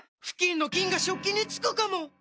フキンの菌が食器につくかも⁉